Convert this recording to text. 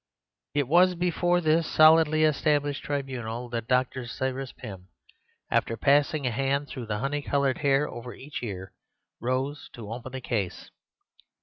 It was before this solidly established tribunal that Dr. Cyrus Pym, after passing a hand through the honey coloured hair over each ear, rose to open the case.